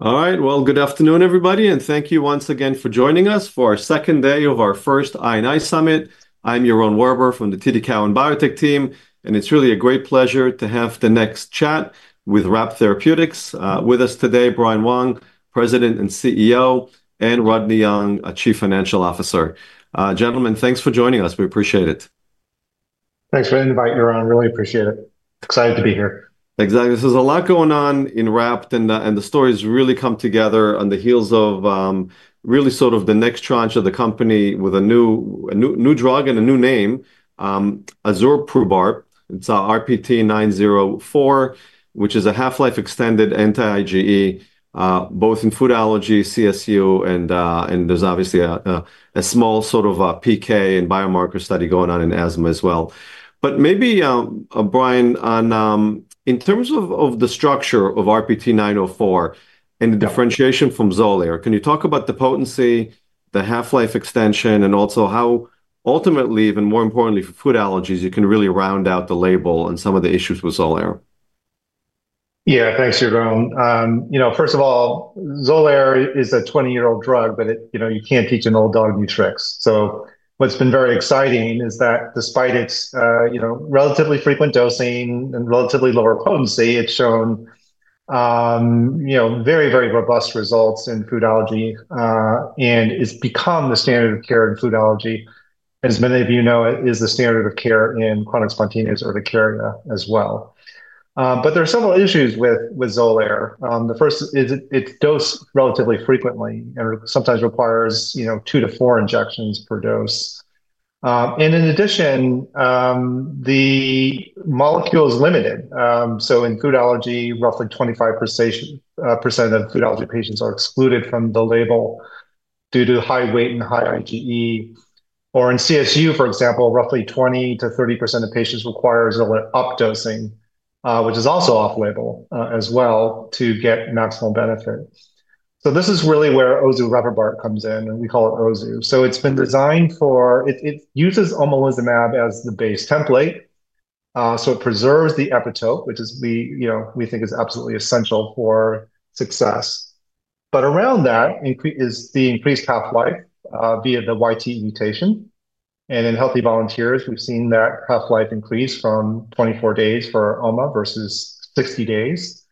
All right, good afternoon, everybody, and thank you once again for joining us for our second day of our first I&I Summit. I'm Yaron Werber from the TD Cowen Biotech team, and it's really a great pleasure to have the next chat with RAPT Therapeutics. With us today, Brian Wong, President and CEO, and Rodney Young, Chief Financial Officer. Gentlemen, thanks for joining us. We appreciate it. Thanks for the invite, Yaron. Really appreciate it. Excited to be here. Exactly. There is a lot going on in RAPT, and the stories really come together on the heels of really sort of the next tranche of the company with a new drug and a new name, ozureprubart. It is RPT904, which is a half-life extended anti-IgE, both in food allergy, CSU, and there is obviously a small sort of PK and biomarker study going on in asthma as well. Maybe, Brian, in terms of the structure of RPT904 and the differentiation from Xolair, can you talk about the potency, the half-life extension, and also how ultimately, and more importantly, for food allergies, you can really round out the label and some of the issues with Xolair? Yeah, thanks, Yaron. First of all, Xolair is a 20-year-old drug, but you can't teach an old dog new tricks. What's been very exciting is that despite its relatively frequent dosing and relatively lower potency, it's shown very, very robust results in food allergy and has become the standard of care in food allergy. As many of you know, it is the standard of care in chronic spontaneous urticaria as well. There are several issues with Xolair. The first is it's dosed relatively frequently and sometimes requires two to four injections per dose. In addition, the molecule is limited. In food allergy, roughly 25% of food allergy patients are excluded from the label due to high weight and high IgE. In CSU, for example, roughly 20%-30% of patients require Xolair updosing, which is also off-label as well to get maximum benefit. This is really where ozureprubart comes in, and we call it ozu. It's been designed for it uses omalizumab as the base template. It preserves the epitope, which we think is absolutely essential for success. Around that is the increased half-life via the YTE mutation. In healthy volunteers, we've seen that half-life increase from 24 days for OMA versus 60 days,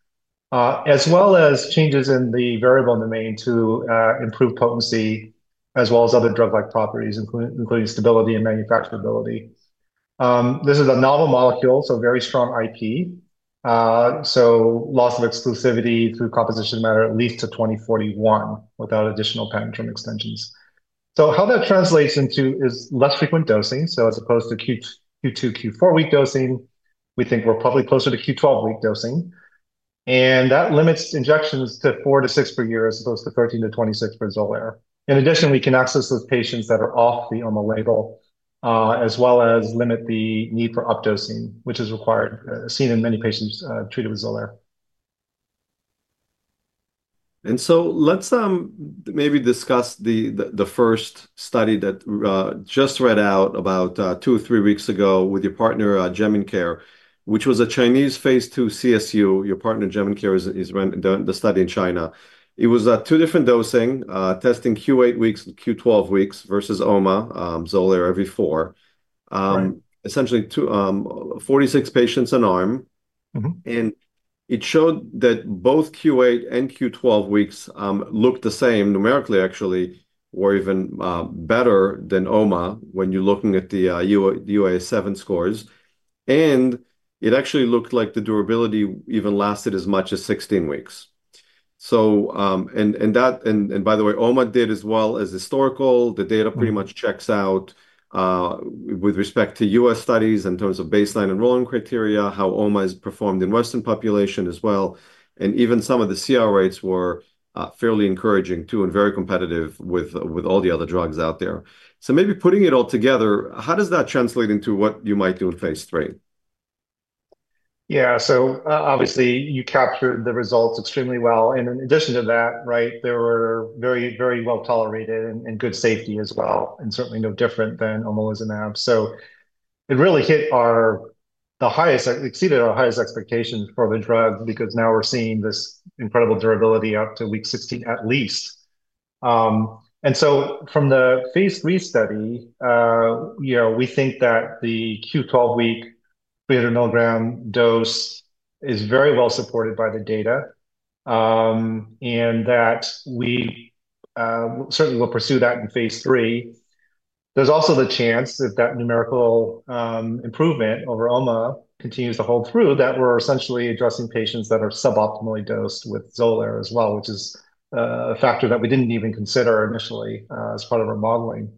as well as changes in the variable domain to improve potency as well as other drug-like properties, including stability and manufacturability. This is a novel molecule, so very strong IP. Loss of exclusivity through composition matter at least to 2041 without additional patent term extensions. How that translates into is less frequent dosing. As opposed to Q2, Q4 week dosing, we think we're probably closer to Q12 week dosing. That limits injections to four to six per year as opposed to 13-26 for Xolair. In addition, we can access those patients that are off the OMA label as well as limit the need for updosing, which is required, seen in many patients treated with Xolair. Let's maybe discuss the first study that just read out about two or three weeks ago with your partner, Jemincare, which was a Chinese phase II CSU. Your partner, Jemincare, is running the study in China. It was two different dosing, testing Q8 weeks and Q12 weeks versus OMA, Xolair every four, essentially 46 patients an arm. It showed that both Q8 and Q12 weeks looked the same numerically, actually, were even better than OMA when you're looking at the UAS7 scores. It actually looked like the durability even lasted as much as 16 weeks. By the way, OMA did as well as historical. The data pretty much checks out with respect to U.S. studies in terms of baseline enrolling criteria, how OMA has performed in Western population as well. Even some of the CR rates were fairly encouraging too and very competitive with all the other drugs out there. Maybe putting it all together, how does that translate into what you might do in phase III? Yeah, so obviously you captured the results extremely well. In addition to that, they were very well tolerated and good safety as well, and certainly no different than omalizumab. It really hit the highest, exceeded our highest expectations for the drug because now we're seeing this incredible durability up to week 16 at least. From the phase III study, we think that the Q12 week beta-nomogram dose is very well supported by the data and that we certainly will pursue that in phase III. There's also the chance if that numerical improvement over OMA continues to hold through that we're essentially addressing patients that are suboptimally dosed with Xolair as well, which is a factor that we didn't even consider initially as part of our modeling.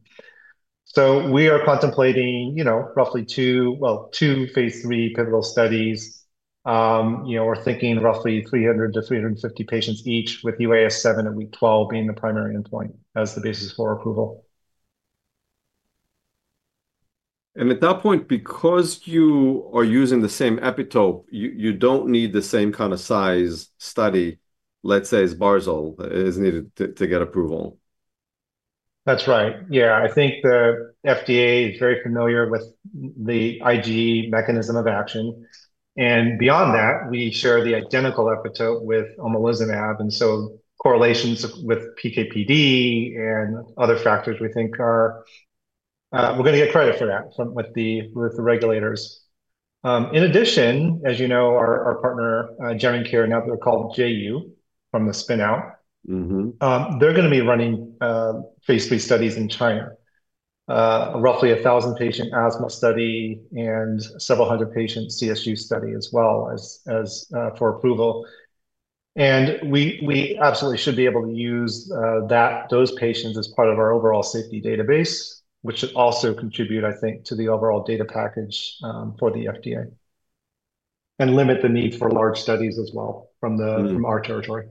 We are contemplating roughly two, well, two phase III pivotal studies. We're thinking roughly 300-350 patients each with UAS7 at week 12 being the primary endpoint as the basis for approval. At that point, because you are using the same epitope, you don't need the same kind of size study, let's say as Xolair, is needed to get approval. That's right. Yeah, I think the FDA is very familiar with the IgE mechanism of action. Beyond that, we share the identical epitope with omalizumab. Correlations with PK/PD and other factors, we think, are we're going to get credit for that with the regulators. In addition, as you know, our partner, Jemincare now they're called Jeyou from the spinout, they're going to be running phase III studies in China, roughly a 1,000-patient asthma study and several hundred-patient CSU study as well for approval. We absolutely should be able to use those patients as part of our overall safety database, which should also contribute, I think, to the overall data package for the FDA and limit the need for large studies as well from our territory.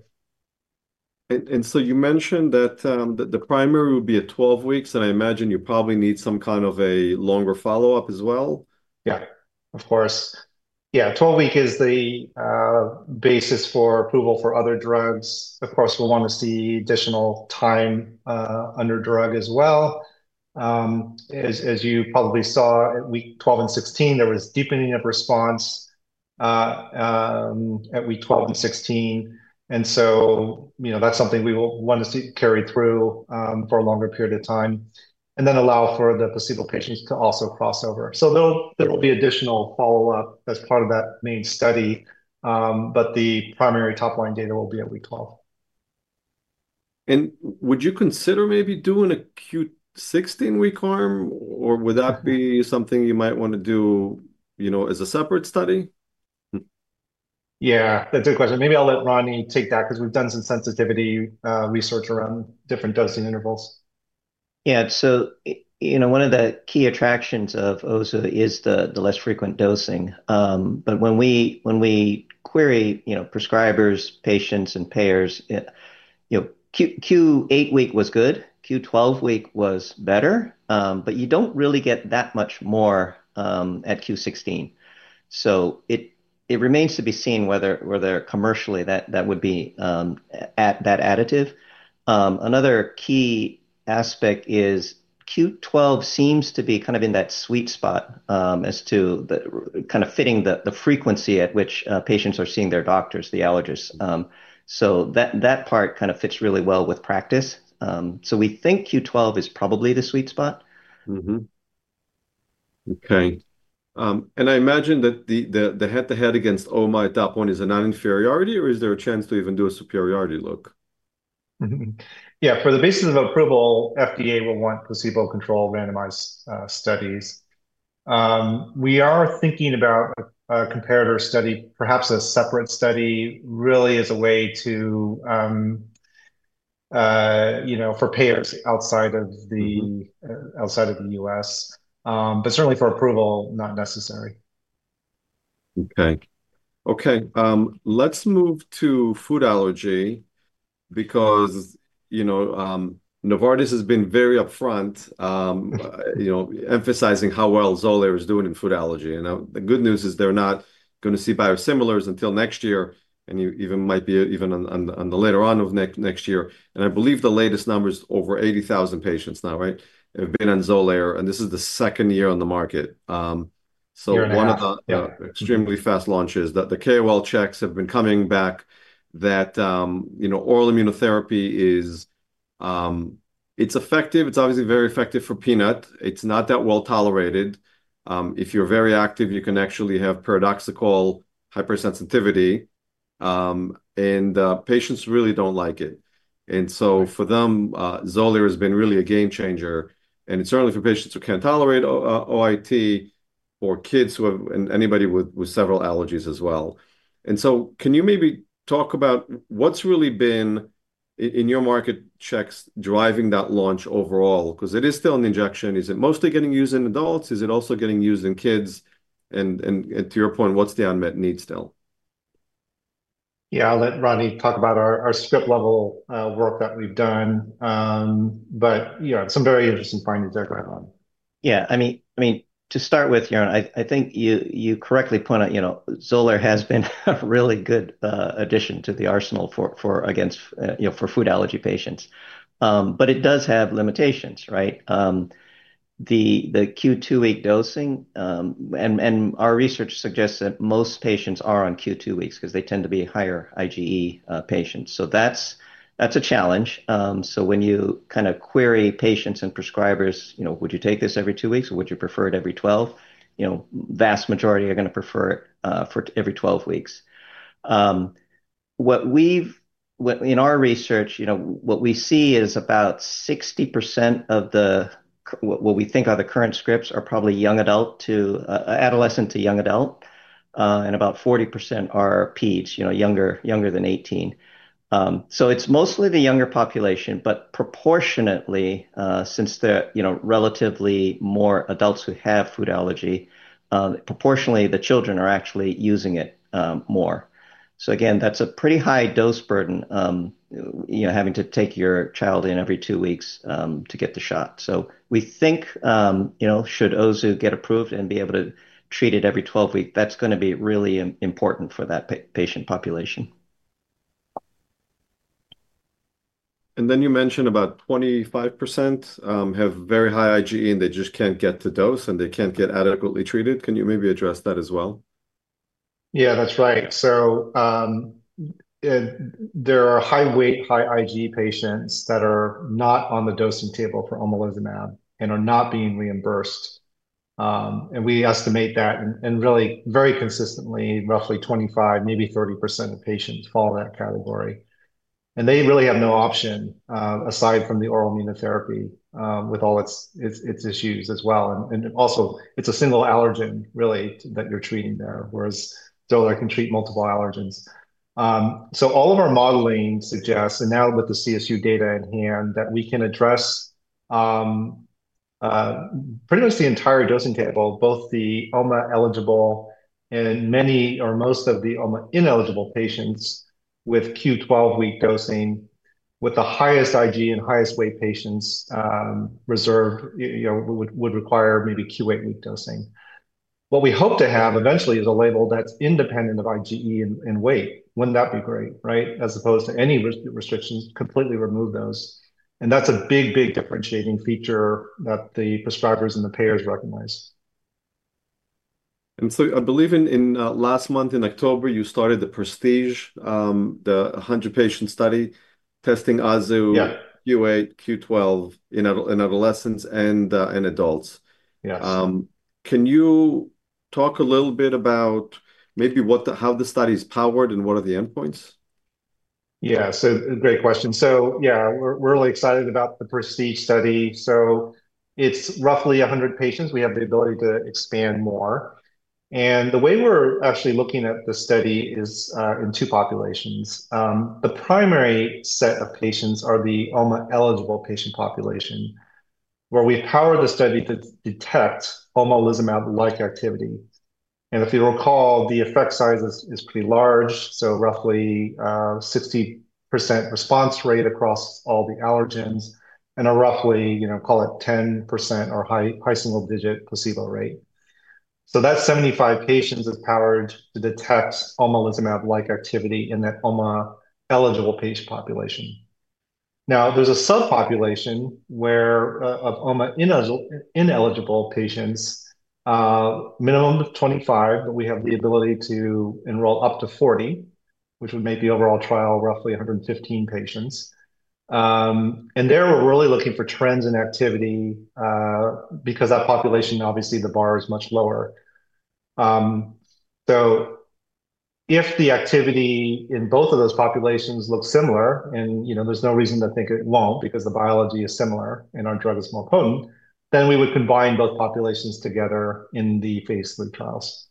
You mentioned that the primary would be at 12 weeks, and I imagine you probably need some kind of a longer follow-up as well. Yeah, of course. Yeah, 12 week is the basis for approval for other drugs. Of course, we'll want to see additional time under drug as well. As you probably saw at week 12 and 16, there was deepening of response at week 12 and 16. That's something we want to carry through for a longer period of time and then allow for the placebo patients to also crossover. There will be additional follow-up as part of that main study, but the primary top-line data will be at week 12. Would you consider maybe doing a Q16 week arm, or would that be something you might want to do as a separate study? Yeah, that's a good question. Maybe I'll let Rodney take that because we've done some sensitivity research around different dosing intervals. Yeah, so one of the key attractions of ozu is the less frequent dosing. But when we query prescribers, patients, and payers, Q8 week was good. Q12 week was better, but you do not really get that much more at Q16. It remains to be seen whether commercially that would be that additive. Another key aspect is Q12 seems to be kind of in that sweet spot as to kind of fitting the frequency at which patients are seeing their doctors, the allergists. That part kind of fits really well with practice. We think Q12 is probably the sweet spot. Okay. I imagine that the head-to-head against OMA at that point is a non-inferiority, or is there a chance to even do a superiority look? Yeah, for the basis of approval, FDA will want placebo-controlled randomized studies. We are thinking about a comparator study, perhaps a separate study really as a way for payers outside of the U.S., but certainly for approval, not necessary. Okay. Okay, let's move to food allergy because Novartis has been very upfront emphasizing how well Xolair is doing in food allergy. The good news is they're not going to see biosimilars until next year, and it might be even later on next year. I believe the latest numbers, over 80,000 patients now, right, have been on Xolair, and this is the second year on the market. One of the extremely fast launches, the KOL checks have been coming back that oral immunotherapy is effective. It's obviously very effective for peanut. It's not that well tolerated. If you're very active, you can actually have paradoxical hypersensitivity, and patients really don't like it. For them, Xolair has been really a game changer. It's certainly for patients who can't tolerate OIT or kids and anybody with several allergies as well. Can you maybe talk about what's really been in your market checks driving that launch overall? Because it is still an injection. Is it mostly getting used in adults? Is it also getting used in kids? To your point, what's the unmet need still? Yeah, I'll let Rodney talk about our script-level work that we've done, but some very interesting findings that are going on. Yeah, I mean, to start with, Jeroen, I think you correctly point out Xolair has been a really good addition to the arsenal for food allergy patients. But it does have limitations, right? The Q2 week dosing, and our research suggests that most patients are on Q2 weeks because they tend to be higher IgE patients. So that's a challenge. When you kind of query patients and prescribers, would you take this every two weeks, or would you prefer it every 12? Vast majority are going to prefer it for every 12 weeks. In our research, what we see is about 60% of what we think are the current scripts are probably adolescent to young adult, and about 40% are peds, younger than 18. It's mostly the younger population, but proportionately, since there are relatively more adults who have food allergy, proportionately, the children are actually using it more. Again, that's a pretty high dose burden having to take your child in every two weeks to get the shot. We think should ozu get approved and be able to treat it every 12 weeks, that's going to be really important for that patient population. You mentioned about 25% have very high IgE, and they just can't get the dose, and they can't get adequately treated. Can you maybe address that as well? Yeah, that's right. There are high-weight, high-IgE patients that are not on the dosing table for omalizumab and are not being reimbursed. We estimate that, and really very consistently, roughly 25%-30% of patients fall in that category. They really have no option aside from the oral immunotherapy with all its issues as well. Also, it's a single allergen really that you're treating there, whereas Xolair can treat multiple allergens. All of our modeling suggests, and now with the CSU data in hand, that we can address pretty much the entire dosing table, both the OMA eligible and many or most of the OMA ineligible patients with Q12 week dosing, with the highest IgE and highest weight patients reserved would require maybe Q8 week dosing. What we hope to have eventually is a label that's independent of IgE and weight. Wouldn't that be great, right? As opposed to any restrictions, completely remove those. That is a big, big differentiating feature that the prescribers and the payers recognize. I believe in last month, in October, you started the prestIgE, the 100-patient study testing ozu, Q8, Q12 in adolescents and adults. Can you talk a little bit about maybe how the study is powered and what are the endpoints? Yeah, so great question. Yeah, we're really excited about the prestIgE study. It's roughly 100 patients. We have the ability to expand more. The way we're actually looking at the study is in two populations. The primary set of patients are the OMA eligible patient population where we power the study to detect omalizumab-like activity. If you recall, the effect size is pretty large, so roughly 60% response rate across all the allergens and a roughly, call it 10% or high single-digit placebo rate. That's 75 patients that's powered to detect omalizumab-like activity in that OMA eligible patient population. Now, there's a subpopulation of OMA ineligible patients, minimum of 25, but we have the ability to enroll up to 40, which would make the overall trial roughly 115 patients. There we're really looking for trends in activity because that population, obviously, the bar is much lower. If the activity in both of those populations looks similar and there's no reason to think it won't because the biology is similar and our drug is more potent, then we would combine both populations together in the phase III trials.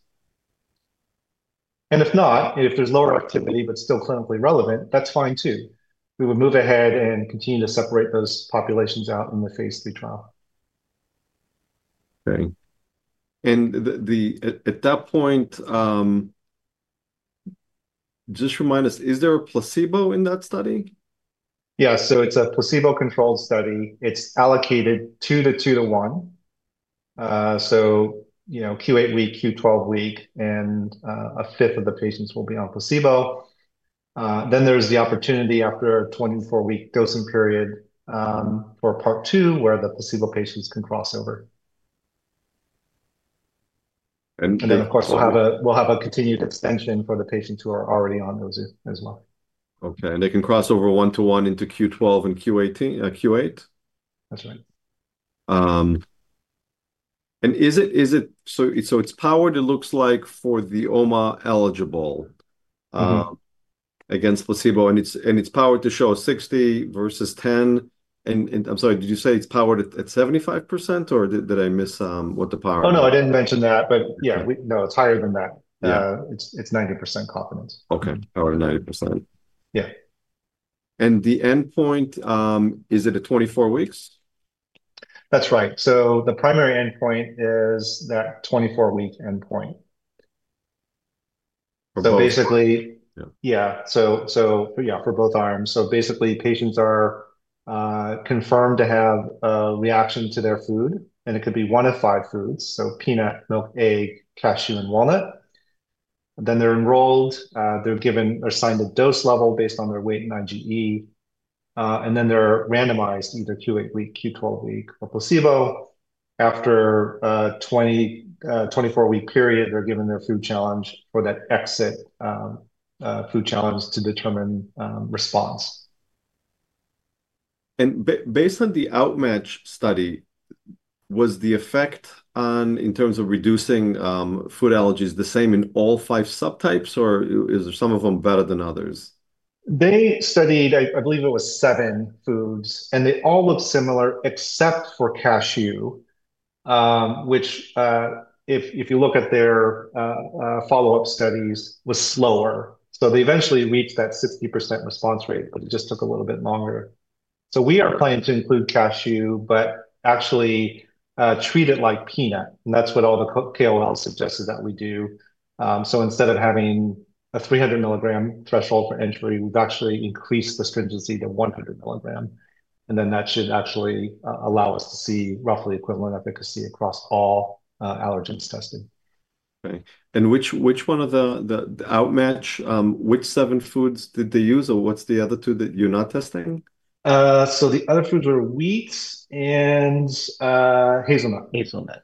If not, if there's lower activity but still clinically relevant, that's fine too. We would move ahead and continue to separate those populations out in the phase III trial. Okay. At that point, just remind us, is there a placebo in that study? Yeah, so it's a placebo-controlled study. It's allocated two to two to one. Q8 week, Q12 week, and 1/5 of the patients will be on placebo. There is the opportunity after a 24-week dosing period for part two where the placebo patients can crossover. Of course, we'll have a continued extension for the patients who are already on ozu as well. Okay. They can cross over one-to-one into Q12 and Q8? That's right. It's powered, it looks like, for the OMA eligible against placebo, and it's powered to show 60% versus 10%. I'm sorry, did you say it's powered at 75%, or did I miss what the power is? Oh, no, I didn't mention that, but yeah, no, it's higher than that. It's 90% confidence. Okay. Powered at 90%. Yeah. The endpoint, is it at 24 weeks? That's right. The primary endpoint is that 24-week endpoint. Basically, yeah, for both arms. Patients are confirmed to have a reaction to their food, and it could be one of five foods, so peanut, milk, egg, cashew, and walnut. They are enrolled. They are given or assigned a dose level based on their weight and IgE. They are randomized either Q8 week, Q12 week, or placebo. After a 24-week period, they are given their food challenge for that exit food challenge to determine response. Based on the OUtMATCH study, was the effect in terms of reducing food allergies the same in all five subtypes, or is some of them better than others? They studied, I believe it was seven foods, and they all looked similar except for cashew, which if you look at their follow-up studies, was slower. They eventually reached that 60% response rate, but it just took a little bit longer. We are planning to include cashew, but actually treat it like peanut. That's what all the KOLs suggested that we do. Instead of having a 300 mg threshold for entry, we've actually increased the stringency to 100 mg. That should actually allow us to see roughly equivalent efficacy across all allergens tested. Okay. Which one of the OUtMATCH, which seven foods did they use, or what's the other two that you're not testing? The other foods are wheat and hazelnut. Hazelnut.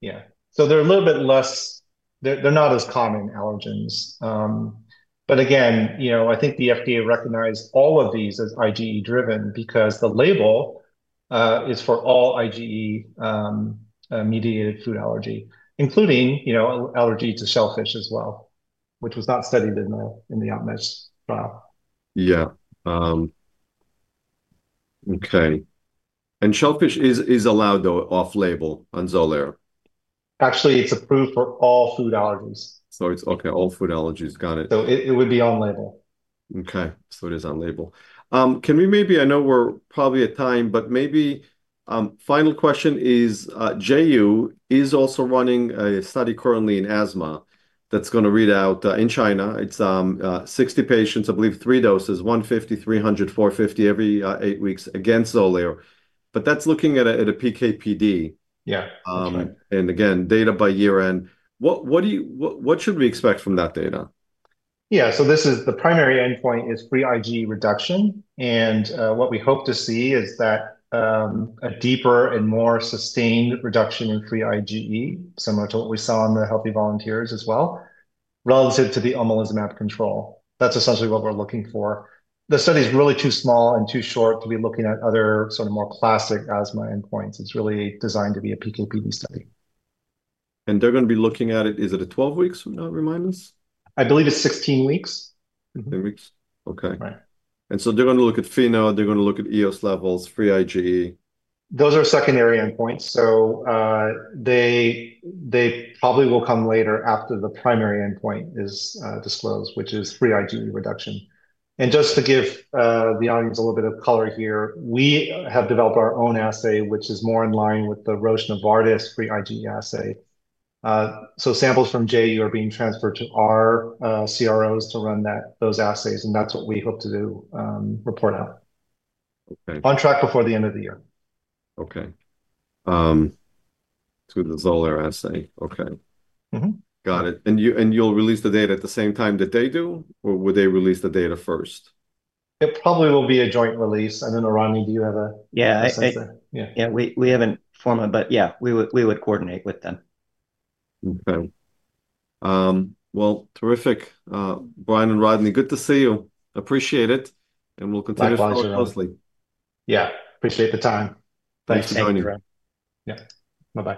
Yeah. They're a little bit less, they're not as common allergens. Again, I think the FDA recognized all of these as IgE-driven because the label is for all IgE-mediated food allergy, including allergy to shellfish as well, which was not studied in the OUtMATCH trial. Yeah. Okay. And shellfish is allowed, though, off-label on Xolair? Actually, it's approved for all food allergies. It's okay, all food allergies. Got it. It would be on-label. Okay. So it is on-label. Can we maybe, I know we're probably at time, but maybe final question is Jeyou is also running a study currently in asthma that's going to read out in China. It's 60 patients, I believe, three doses, 150, 300, 450 every eight weeks against Xolair. But that's looking at a PK/PD. Yeah. Again, data by year-end. What should we expect from that data? Yeah. This is the primary endpoint is free IgE reduction. What we hope to see is a deeper and more sustained reduction in free IgE, similar to what we saw on the healthy volunteers as well, relative to the omalizumab control. That's essentially what we're looking for. The study is really too small and too short to be looking at other sort of more classic asthma endpoints. It's really designed to be a PK/PD study. They're going to be looking at it, is it at 12 weeks? Remind us. I believe it's 16 weeks. Sixteen weeks. Okay. They're going to look at phenol. They're going to look at EOS levels, free IgE. Those are secondary endpoints. They probably will come later after the primary endpoint is disclosed, which is free IgE reduction. Just to give the audience a little bit of color here, we have developed our own assay, which is more in line with the Roche-Novartis free IgE assay. Samples from Jeyou are being transferred to our CROs to run those assays, and that's what we hope to report out. On track before the end of the year. Okay. To the Xolair assay. Okay. Got it. And you'll release the data at the same time that they do, or would they release the data first? It probably will be a joint release. I don't know, Rodney, do you have a? Yeah. I think so. Yeah. We haven't formally, but yeah, we would coordinate with them. Okay. Terrific. Brian and Rodney, good to see you. Appreciate it. We will continue to follow closely. My pleasure. Yeah. Appreciate the time. Thanks for joining. Thanks for joining. Yeah. Bye-bye.